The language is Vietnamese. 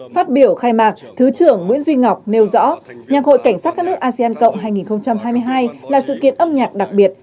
phát biểu khai mạc thứ trưởng nguyễn duy ngọc nêu rõ nhạc hội cảnh sát các nước asean cộng hai nghìn hai mươi hai là sự kiện âm nhạc đặc biệt